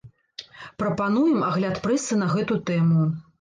Прапануем агляд прэсы на гэту тэму.